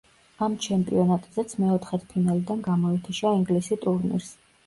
ამ ჩემპიონატზეც მეოთხედფინალიდან გამოეთიშა ინგლისი ტურნირს.